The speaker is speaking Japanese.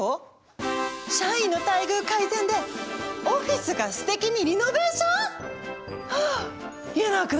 社員の待遇改善でオフィスがすてきにリノベーション？はあ家長くん！